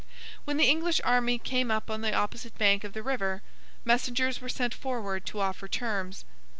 When the English army came up on the opposite bank of the river, messengers were sent forward to offer terms.